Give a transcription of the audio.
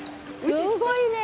すごいね。